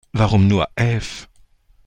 Warum nur elf?